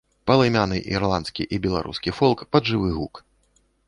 Палымяны ірландскі і беларускі фолк пад жывы гук.